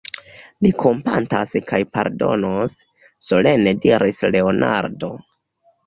Li kompatas kaj pardonos, solene diris Leonardo.